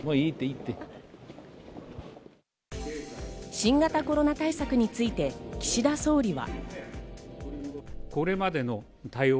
新型コロナ対策について岸田総理は。